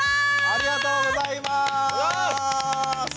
ありがとうございます。